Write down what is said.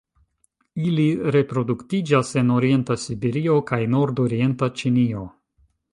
Ili reproduktiĝas en orienta Siberio kaj nordorienta Ĉinio.